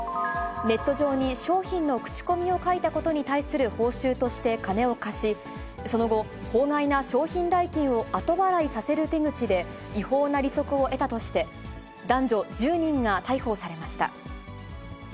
ネット上に商品の口コミを書いたことに対する報酬として金を貸し、その後、法外な商品代金を後払いさせる手口で、違法な利息を得たとして、男女１０人が逮捕されました。